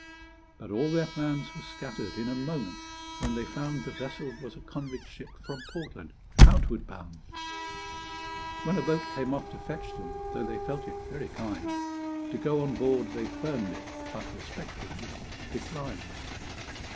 But all their plans were scattered in a moment when they found The vessel was a convict ship from Portland outward bound; When a boat came off to fetch them, though they felt it very kind, To go on board they firmly but respectfully declined.